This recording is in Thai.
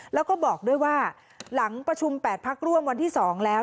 แล้วก็บอกด้วยว่าหลังประชุม๘พักร่วมวันที่๒แล้ว